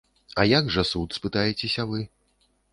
А як жа суд, спытаецеся вы?